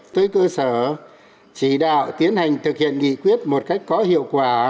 tới cơ sở chỉ đạo tiến hành thực hiện nghị quyết một cách có hiệu quả